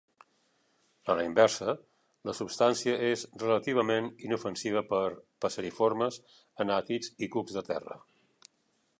A la inversa, la substància és relativament inofensiva per passeriformes, anàtids i cucs de terra.